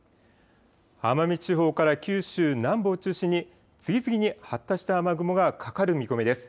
奄美地方から九州南部を中心に次々に発達した雨雲がかかる見込みです。